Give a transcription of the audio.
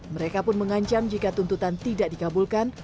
mereka pun mengancam jika tuntutan tidak dikabulkan